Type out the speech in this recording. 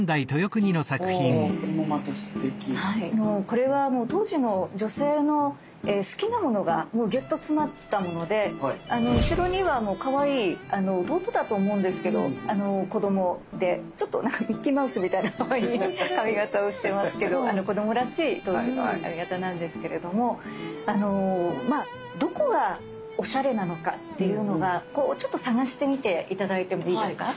これはもう当時の女性の好きなものがギュッと詰まったもので後ろにはかわいい弟だと思うんですけど子供でちょっとなんかミッキーマウスみたいなかわいい髪形をしてますけど子供らしい当時の髪形なんですけれどもどこがおしゃれなのかっていうのがちょっと探してみて頂いてもいいですか。